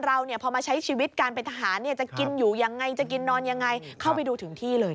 อย่างไรจะกินนอนอย่างไรเข้าไปดูถึงที่เลย